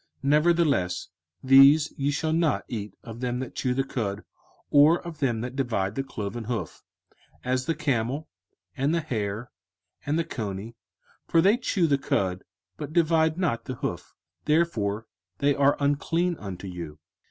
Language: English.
05:014:007 Nevertheless these ye shall not eat of them that chew the cud, or of them that divide the cloven hoof; as the camel, and the hare, and the coney: for they chew the cud, but divide not the hoof; therefore they are unclean unto you.